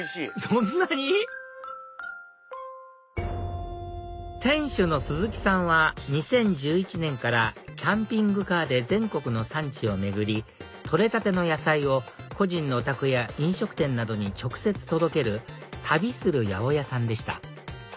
そんなに⁉店主の鈴木さんは２０１１年からキャンピングカーで全国の産地を巡り取れたての野菜を個人のお宅や飲食店などに直接届ける旅する八百屋さんでした